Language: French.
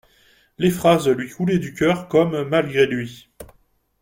Les phrases lui coulaient du cœur comme malgré lui.